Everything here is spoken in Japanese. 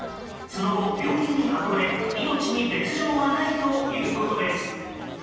その後、病院に運ばれ命に別状はないということです。